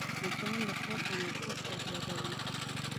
مچان د کار تمرکز ګډوډوي